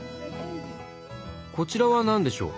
こちらは何でしょう？